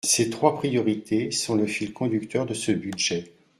Ces trois priorités sont le fil conducteur de ce budget.